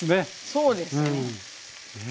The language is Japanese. そうですね。